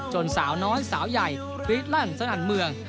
จนสาวน้อยสาวใหญ่ฟรีตรั่งสถานเมือง